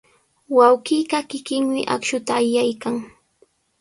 Wawqiiqa kikinmi akshuta allaykan.